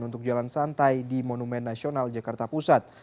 untuk jalan santai di monumen nasional jakarta pusat